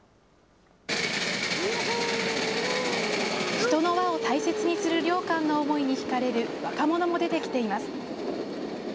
人の和を大切にする良寛の思いに引かれる若者も出てきています。